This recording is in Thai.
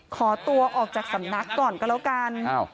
ขอตัวออกจากสำนักก่อนก็แล้วกัน